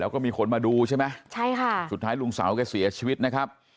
แล้วก็มีคนมาดูใช่ไหมใช่ค่ะสุดท้ายลุงสาวแกเสียชีวิตนะครับ